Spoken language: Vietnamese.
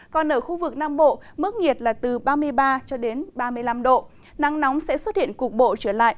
còn ở khu vực nam bộ mức nhiệt là từ ba mươi ba cho đến ba mươi năm độ nắng nóng sẽ xuất hiện cục bộ trở lại